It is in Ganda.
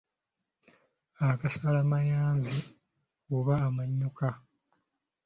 Akalasa mayanzi oba amannyuka.